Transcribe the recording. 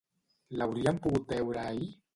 L'hauríem pogut veure ahir?